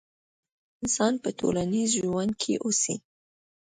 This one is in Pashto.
يو انسان په ټولنيز ژوند کې اوسي.